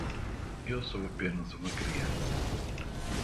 Eu sou apenas uma criança.